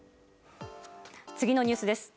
次のニュースです。